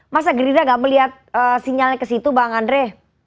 masa gerida nggak melihat sinyalnya ke situ bang andre